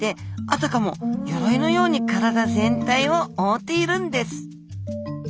あたかも鎧のように体全体を覆っているんです